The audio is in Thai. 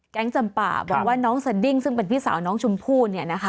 จำป่าบอกว่าน้องสดิ้งซึ่งเป็นพี่สาวน้องชมพู่